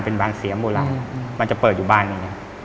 เป็นบ้านเสียโบราณมันจะเปิดอยู่บ้านหนึ่ง